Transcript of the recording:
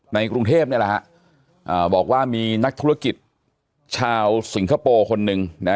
กรุงเทพนี่แหละฮะอ่าบอกว่ามีนักธุรกิจชาวสิงคโปร์คนหนึ่งนะ